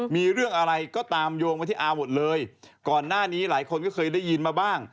มีเรื่องอะไรก็ตามโยงมาที่อาหมดเลยก่อนหน้านี้หลายคนก็เคยได้ยินมาบ้าง